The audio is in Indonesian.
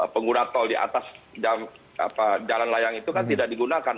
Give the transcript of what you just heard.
pengguna tol di atas jalan layang itu kan tidak digunakan